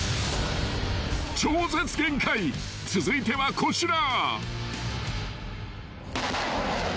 ［超絶限界続いてはこちら］